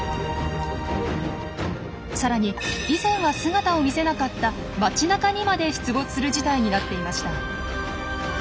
さらに以前は姿を見せなかった町なかにまで出没する事態になっていました。